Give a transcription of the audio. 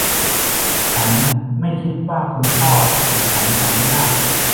ฉันไม่คิดว่าคุณพ่อของฉันจะอนุญาต